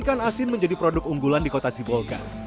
ikan asin menjadi produk unggulan di kota sibolga